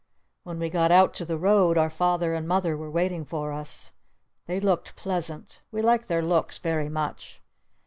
When we got out to the Road our Father and Mother were waiting for us. They looked pleasant. We liked their looks very much.